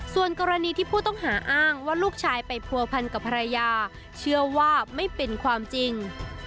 ส่วนกรณีที่ผู้ต้องหาอ้างว่าลูกชายไปผัวพันกับภรรยาเชื่อว่าไม่เป็นความจริง